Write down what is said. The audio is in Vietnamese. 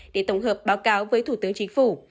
để tổng hợp báo cáo với thủ tướng chính phủ